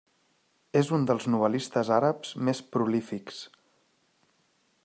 És un dels novel·listes àrabs més prolífics.